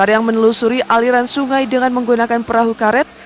yang menelusuri aliran sungai dengan menggunakan perahu karet